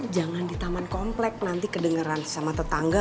jangan di taman komplek nanti kedengeran sama tetangga